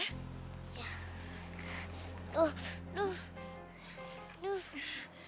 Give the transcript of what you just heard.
aduh aduh aduh